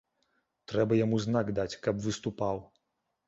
Трэба яму знак даць, каб выступаў.